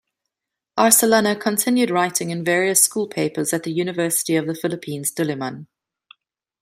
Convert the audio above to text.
Arcellana continued writing in various school papers at the University of the Philippines Diliman.